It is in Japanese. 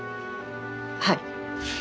はい。